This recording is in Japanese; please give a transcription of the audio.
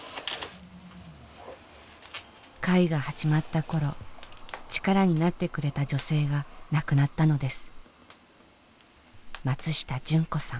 会が始まった頃力になってくれた女性が亡くなったのです。